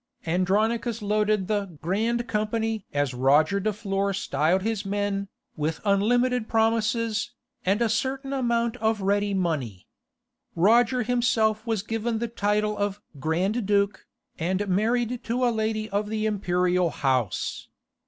Andronicus loaded the "Grand Company," as Roger de Flor styled his men, with unlimited promises, and a certain amount of ready money. Roger himself was given the title of "Grand Duke," and married to a lady of the imperial house.